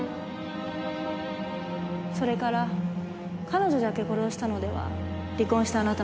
それから彼女だけ殺したのでは離婚したあなたも疑われる。